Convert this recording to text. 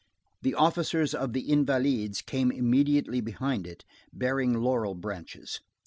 The officers of the Invalides came immediately behind it, bearing laurel branches.